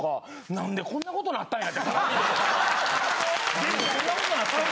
なんでこんなことなったんや。